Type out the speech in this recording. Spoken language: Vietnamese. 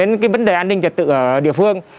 đến cái vấn đề an ninh trật tự